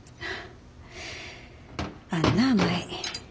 あんなぁ舞。